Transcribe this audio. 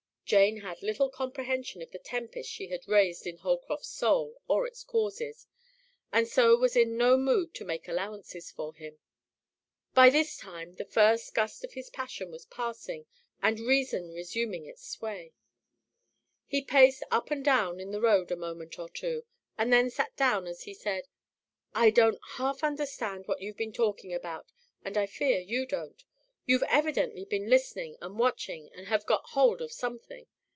Jane had little comprehension of the tempest she had raised in Holcroft's soul or its causes, and so was in no mood to make allowances for him. By this time, the first gust of his passion was passing and reason resuming its sway. He paced up and down in the road a moment or two, and then sat down as he said, "I don't half understand what you've been talking about and I fear you don't. You've evidently been listening and watching and have got hold of something.